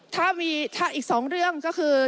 ถ้ามีอีก๒เรื่องก็คือ